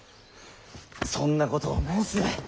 そんなことを申すな。